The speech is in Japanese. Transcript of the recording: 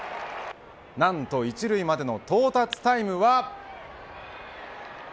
何と１塁までの到達タイムは。